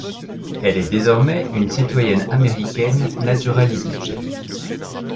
Elle est désormais une citoyenne américaine naturalisée.